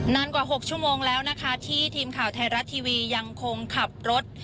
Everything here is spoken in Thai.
กว่า๖ชั่วโมงแล้วนะคะที่ทีมข่าวไทยรัฐทีวียังคงขับรถ